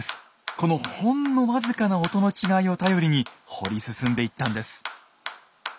このほんの僅かな音の違いを頼りに掘り進んでいったんです。